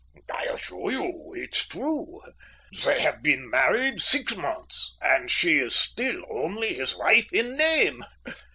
"I assure you it's true. They have been married six months, and she is still only his wife in name.